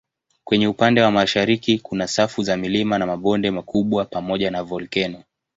Kwenye upande wa mashariki kuna safu za milima na mabonde makubwa pamoja na volkeno.